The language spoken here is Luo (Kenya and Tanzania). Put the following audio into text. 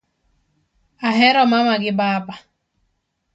Ahero mama gi baba